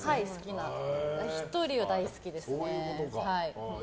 １人は大好きですね。